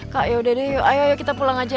kak yaudah deh ayo yuk kita pulang aja